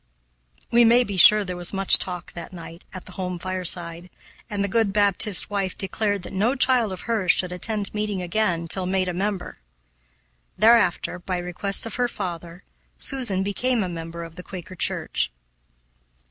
We may be sure there was much talk, that night, at the home fireside, and the good Baptist wife declared that no child of hers should attend meeting again till made a member. Thereafter, by request of her father, Susan became a member of the Quaker church.